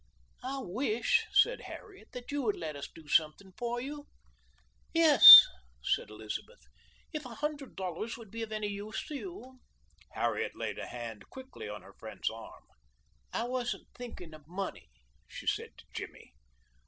"I wish," said Harriet, "that you would let us do something for you." "Yes," said Elizabeth, "if a hundred dollars would be of any use to you " Harriet laid a hand quickly on her friend's arm. "I wasn't thinking of money," she said to Jimmy.